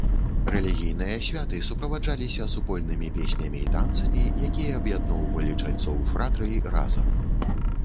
Рэлігійныя святы суправаджаліся супольнымі песнямі і танцамі, якія аб'ядноўвалі чальцоў фратрый разам.